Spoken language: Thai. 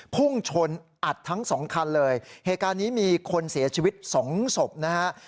พุ่งชนอัดทั้งสองคันเลยเหตุการณ์นี้มีคนเสียชีวิตสองศพนะฮะ